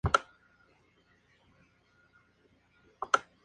Es una especie de plumaje poco llamativo.